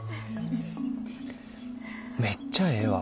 めっちゃええわ。